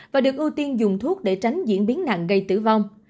và được ưu tiên dùng thuốc để tránh diễn biến nặng gây tử vong